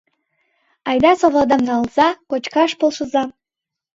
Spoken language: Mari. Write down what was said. — Айда, совладам налза, кочкаш полшыза!